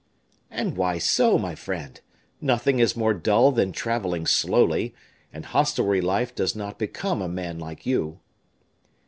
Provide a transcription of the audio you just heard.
"And why so, my friend? Nothing is more dull than traveling slowly; and hostelry life does not become a man like you."